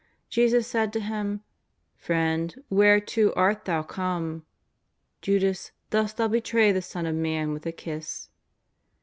Jesus said to him :" Friend, whereto art thou come? Judas, dost thou betray the Son of Man with a kiss